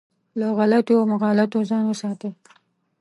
له غلطیو او مغالطو ځان وساتي.